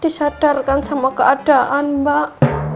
disadarkan sama keadaan mbak